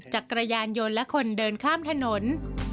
จักรยานยนต์และคนเดินข้ามถนน